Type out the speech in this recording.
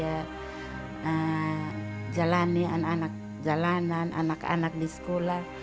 harapan saya supaya bisa mengurus anak anak yang dia jalani anak anak jalanan anak anak di sekolah